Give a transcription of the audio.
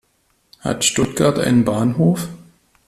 Hat Stuttgart einen Bahnhof?